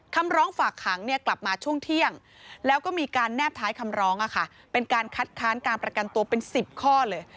คำร้องฝากขังกลับมาช่วงเที่ยงแล้วก็มีการแนบท้ายคำร้องเป็นการคัดค้านการประกันตัวเป็น๑๐ข้อเลย